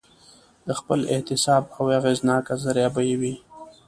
د خپل احتساب یوه اغېزناکه ذریعه به یې وي.